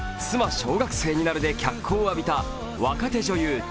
「妻、小学生になる」で脚光を浴びた若手女優